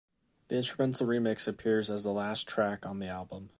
The instrumental remix appears as the last track on the album.